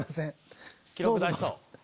記録出しそう？